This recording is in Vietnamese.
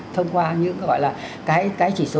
thông qua những gọi là cái chỉ số